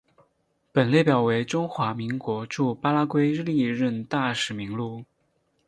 本列表为中华民国驻巴拉圭历任大使名录。